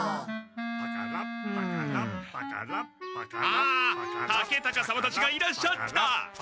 あ竹高様たちがいらっしゃった。